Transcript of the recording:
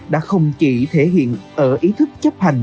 đã không chỉ thể hiện ở ý thức chấp hành